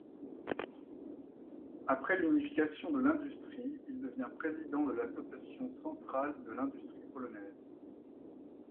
Après l'unification de l'industrie il devient président de l'Association centrale de l'industrie polonaise.